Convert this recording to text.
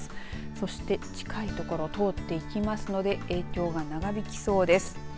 そして近いところ通っていきますので影響が長引きそうです。